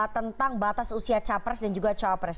tentang batas usia capres dan juga cawapres